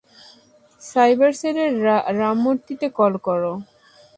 Cyber সেলের রামমূর্তিকে call কর।